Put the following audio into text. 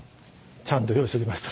ちゃんと用意しときました。